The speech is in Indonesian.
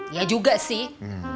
iya juga sih